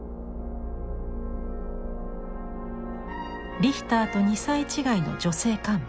リヒターと２歳違いの女性幹部。